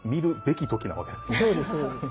そうですそうです。